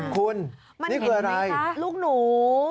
คุณนี่คืออะไรมันเห็นไหมคะลูกหนู